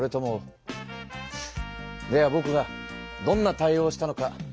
ではぼくがどんな対応をしたのか説明しよう。